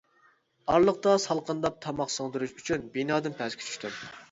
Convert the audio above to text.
ئارىلىقتا سالقىنداپ تاماق سىڭدۈرۈش ئۈچۈن بىنادىن پەسكە چۈشتۈم.